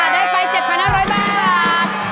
ได้ไป๗๕๐๐บาท